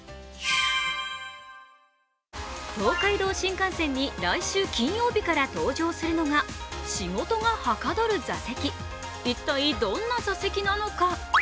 東海道新幹線に来週金曜日から登場するのが仕事がはかどる座席、一体どんな座席なのか。